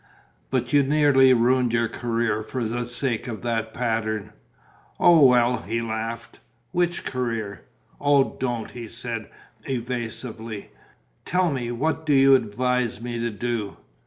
"But you nearly ruined your career for the sake of that pattern?" "Oh, well!" he laughed. "Which career?" "Oh, don't!" he said, evasively. "Tell me, what do you advise me to do?"